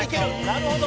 「なるほど！」